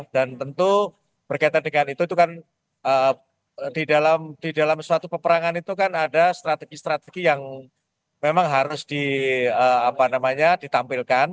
dan tentu berkaitan dengan itu kan di dalam suatu peperangan itu kan ada strategi strategi yang memang harus ditampilkan